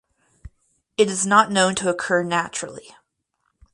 It is not known to occur naturally.